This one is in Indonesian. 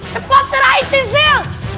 cepat serahin cecil